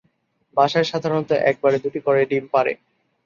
বাসায় সাধারণত একবারে দু'টি করে ডিম পাড়ে।